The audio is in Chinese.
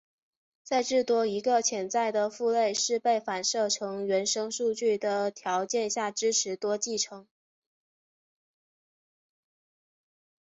在至多一个潜在的父类是被反射成原生数据的条件下支持多继承。